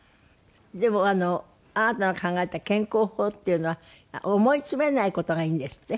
でもあなたの考えた健康法っていうのは思い詰めない事がいいんですって？